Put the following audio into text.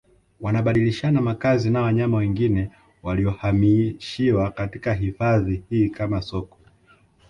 wanabadilishana makazi na wanyama wengine waliohamishiwa katika hifadhi hii kama Sokwe